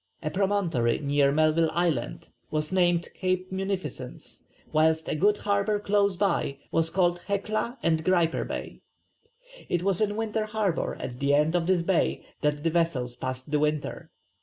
A promontory near Melville Island was named Cape Munificence, whilst a good harbour close by was called Hecla and Griper Bay. It was in Winter Harbour at the end of this bay that the vessels passed the winter.